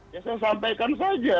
ya saya sampaikan saja